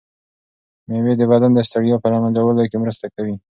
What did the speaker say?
مېوې د بدن د ستړیا په له منځه وړلو کې مرسته کوي.